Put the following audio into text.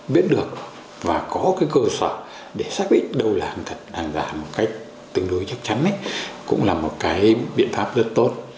biết được và có cái cơ sở để xác định đâu là hàng thật hàng giả một cách tương đối chắc chắn cũng là một cái biện pháp rất tốt